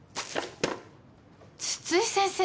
津々井先生。